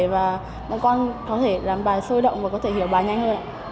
và bọn con có thể làm bài sôi động và có thể hiểu bài nhanh hơn ạ